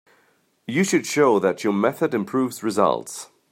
You should show that your method improves results.